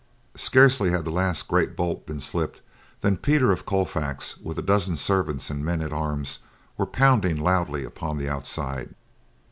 Scarcely had the last great bolt been slipped than Peter of Colfax, with a dozen servants and men at arms, were pounding loudly upon the outside.